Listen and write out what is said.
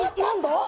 何だ？